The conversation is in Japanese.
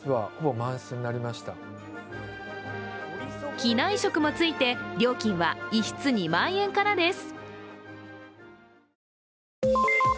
機内食もついて料金は一室２万円からです。